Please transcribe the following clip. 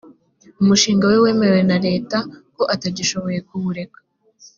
umushinga we wemewe na leta ko atagishoboye kuwureka